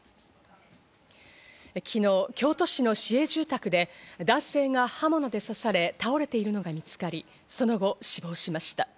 昨日、京都市の市営住宅で男性が刃物で刺され倒れているのが見つかり、その後、死亡しました。